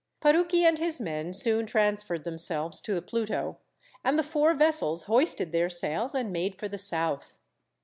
Parucchi and his men soon transferred themselves to the Pluto, and the four vessels hoisted their sails, and made for the south.